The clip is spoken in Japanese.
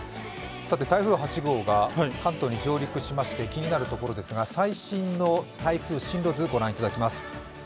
台風８号が関東に上陸しまして気になるところですが最新の台風進路図、ご覧いただきます。